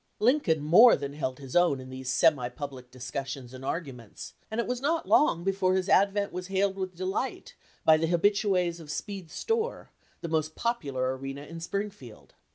Lincoln more than held his own in these semi public discussions and arguments, and it was not long before his advent was hailed with delight by the habitues of Speed's store, the most popular arena in Springfield.